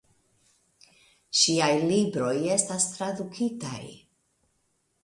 Ŝiaj libroj estas tradukitaj.